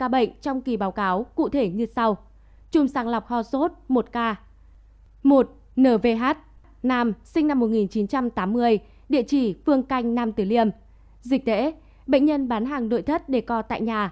phân bố theo chùm ca bệnh chùm sàng lọc hò sốt năm ca